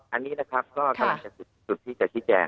อันนี้ก็กำลังจะสุดที่จะที่แจ้ง